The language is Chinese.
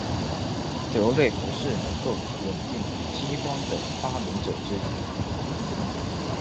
德瑞福是能够稳定激光的的发明者之一。